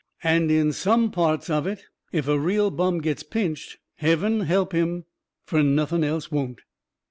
And in some parts of it, if a real bum gets pinched, heaven help 'im, fur nothing else won't.